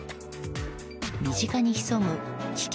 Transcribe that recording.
身近に潜む危険